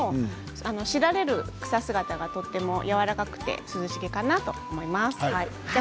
しだれる草姿がとても柔らかくて涼しげだと思います。